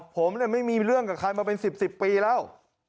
ผมไม่มีเรื่องกับใครมาเป็น๑๐ปีแล้ว